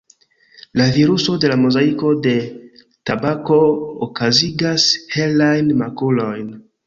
La viruso de la mozaiko de tabako okazigas helajn makulojn.